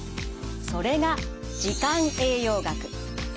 それが時間栄養学。